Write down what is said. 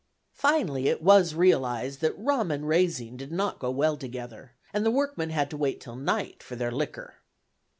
" Finally it was realized that rum and "raising" did not go well together, and the workmen had to wait till night for their liquor.